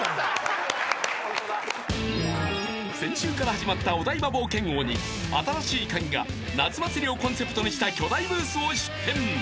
［先週から始まったお台場冒険王に『新しいカギ』が夏祭りをコンセプトにした巨大ブースを出店］